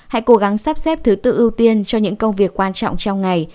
hãy cố gắng sắp xếp thứ tự ưu tiên cho những công việc quan trọng trong ngày